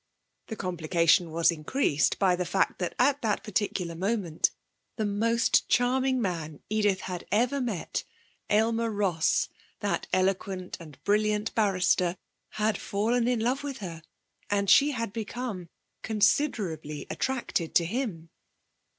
The complication was increased by the fact that at that particular moment the most charming man Edith had ever met, Aylmer Ross, that eloquent and brilliant barrister, had fallen in love with her, and she had become considerably attracted to him.